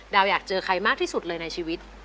อยากเจอใครมากที่สุดเลยในชีวิต